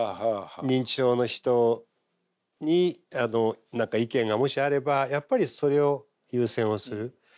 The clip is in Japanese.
認知症の人に何か意見がもしあればやっぱりそれを優先をする。